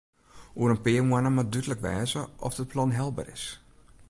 Oer in pear moanne moat dúdlik wêze oft it plan helber is.